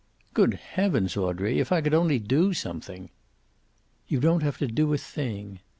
"Good heavens, Audrey! If I could only do something." "You don't have to do a thing."